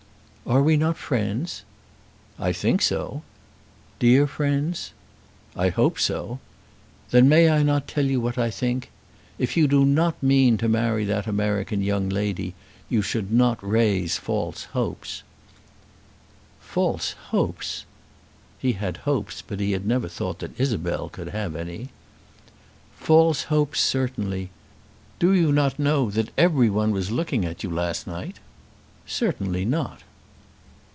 "Are we not friends?" "I think so." "Dear friends?" "I hope so." "Then may I not tell you what I think? If you do not mean to marry that American young lady you should not raise false hopes." "False hopes!" He had hopes, but he had never thought that Isabel could have any. "False hopes; certainly. Do you not know that everyone was looking at you last night?" "Certainly not."